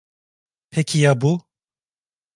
Peki ya bu?